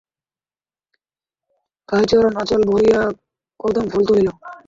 রাইচরণ আঁচল ভরিয়া কদম্বফুল তুলিল।